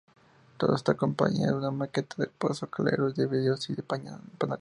Todo esto acompañado de una maqueta del "Pozo Calero", de vídeos y de paneles.